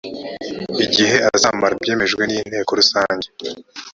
igihe uzamara byemejwe n inteko rusange